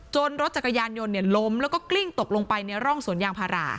รถจักรยานยนต์ล้มแล้วก็กลิ้งตกลงไปในร่องสวนยางพารา